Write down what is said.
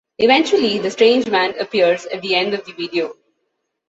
Eventually the strange man appears at the end of the video.